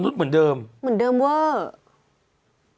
วัลนุ่นเหมือนเดิมเหมือนเดิมเวอร์